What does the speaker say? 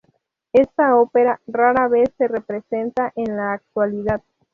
Esta ópera rara vez se representa en la actualidad.